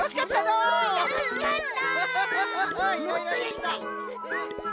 うんたのしかった！